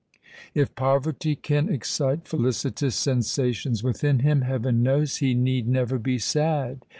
If poverty can excite felicitous sensations within him, heaven knows he need never be sad.